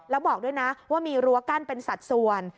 แล้วบอกด้วยนะว่ามีรั้วกั้นเป็นสัดส่วน